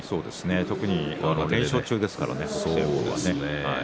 特に連勝中ですからね北青鵬は。